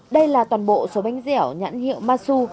đây là toàn bộ số bánh dẻo nhãn hiệu masu